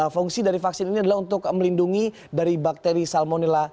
fungsi dari vaksin ini adalah untuk melindungi dari bakteri salmonella